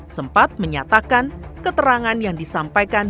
sempat menyatakan keterangan yang disampaikan